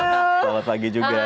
halo selamat pagi juga